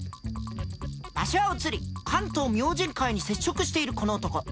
場所は移り関東明神会に接触しているこの男。